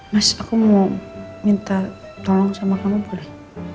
mas aku mau minta tolong sama kamu boleh